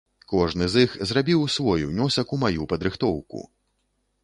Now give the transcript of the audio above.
Кожны з іх зрабіў свой унёсак у маю падрыхтоўку!